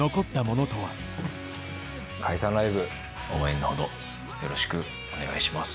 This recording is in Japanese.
解散ライブ応援のほどよろしくお願いします。